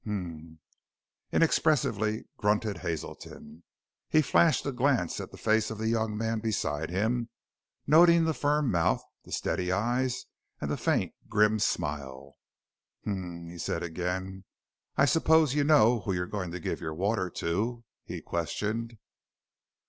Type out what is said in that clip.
"H'm!" inexpressively grunted Hazelton. He flashed a glance at the face of the young man beside him, noting the firm mouth, the steady eyes, and the faint, grim smile. "H'm!" he said again. "I suppose you know who you're going to give your water to?" he questioned.